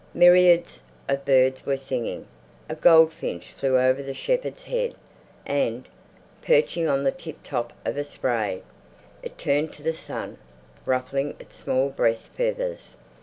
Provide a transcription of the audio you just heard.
Myriads of birds were singing. A goldfinch flew over the shepherd's head and, perching on the tiptop of a spray, it turned to the sun, ruffling its small breast feathers.